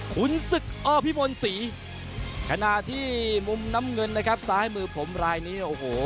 คุณศึกอพิมลศรีขณะที่มุมน้ำเงินนะครับซ้ายมือผมรายนี้โอ้โห